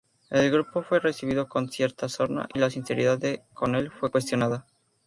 El grupo fue recibido con cierta sorna, y la sinceridad de O’Connell fue cuestionada.